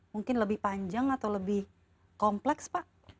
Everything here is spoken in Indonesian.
mungkin lebih panjang atau lebih kompleks pak